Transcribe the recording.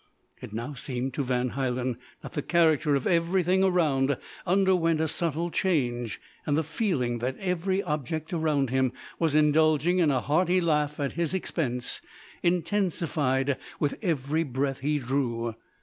It now seemed to Van Hielen that the character of everything around underwent a subtle change; and the feeling that every object around him was indulging in a hearty laugh at his expense intensified with every breath he drew.